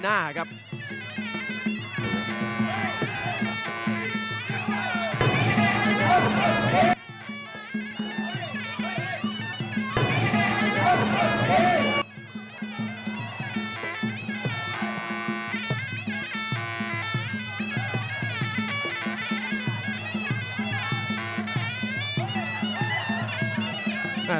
และแพ้๒๐ไฟ